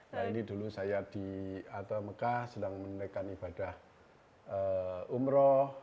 nah ini dulu saya di atamekah sedang menerikan ibadah umroh